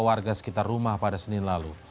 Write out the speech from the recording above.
warga sekitar rumah pada senin lalu